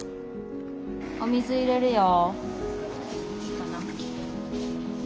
お水入れるよ。